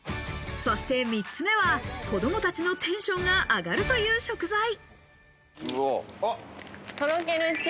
そして３つ目は子供たちのテンションが上がるという食材。